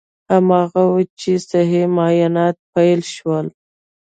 هماغه و چې صحي معاینات پیل شول.